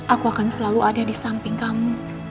aku akan selalu ada di samping kamu